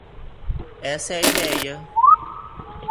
Essa é a ideia.